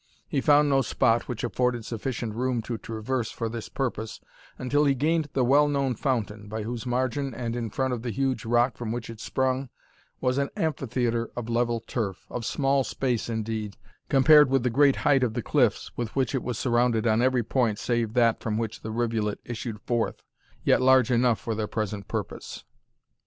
He found no spot which afforded sufficient room to traverse for this purpose, until he gained the well known fountain, by whose margin, and in front of the huge rock from which it sprung, was an amphitheatre of level turf, of small space indeed, compared with the great height of the cliffs with which it was surrounded on every point save that from which the rivulet issued forth, yet large enough for their present purpose.